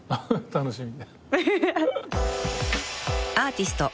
楽しみ。